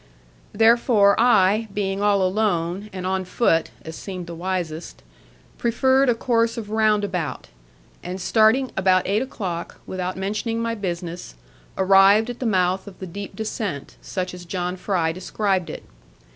Therefore, I, being all alone, and on foot (as seemed the wisest), preferred a course of roundabout; and starting about eight o'clock, without mentioning my business, arrived at the mouth of the deep descent, such as John Fry described it.